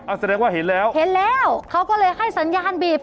แสดงว่าเห็นแล้วเห็นแล้วเขาก็เลยให้สัญญาณบีบ